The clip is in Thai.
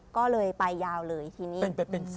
ก็เลยไปยาวเลยทีนี้